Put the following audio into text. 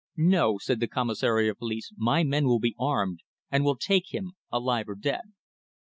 "No," said the Commissary of Police. "My men will be armed, and will take him, alive or dead!"